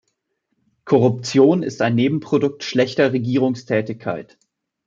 Korruption ist ein Nebenprodukt schlechter Regierungstätigkeit.